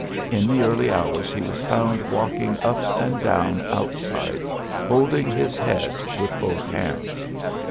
In the early hours he was found walking up and down outside, holding his head with both hands.